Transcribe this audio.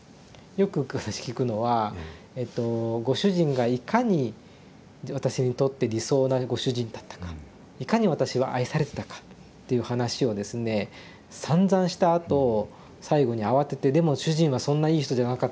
よく聞くのはご主人がいかに私にとって理想なご主人だったかいかに私は愛されてたかっていう話をですねさんざんしたあと最後に慌てて「でも主人はそんないい人じゃなかったんです」